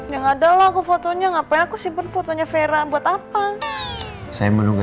yang adalah fotonya ngapain aku simpen fotonya fira buat apa saya menunggu